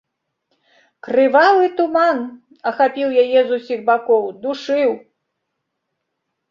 Крывавы туман ахапіў яе з усіх бакоў, душыў.